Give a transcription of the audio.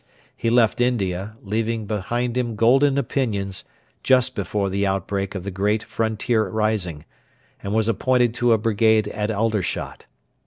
He left India, leaving behind him golden opinions, just before the outbreak of the great Frontier rising, and was appointed to a brigade at Aldershot.